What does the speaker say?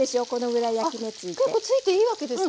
結構ついていいわけですか。